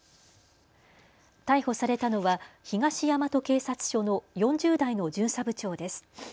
逮捕されたのは東大和警察署の４０代の巡査部長です。